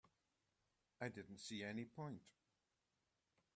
I didn't see any point.